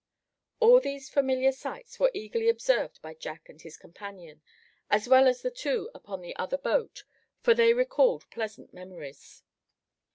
All these familiar sights were eagerly observed by Jack and his companion, as well as the two upon the other boat, for they recalled pleasant memories.